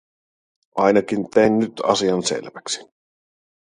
Ainakin tein nyt asian selväksi.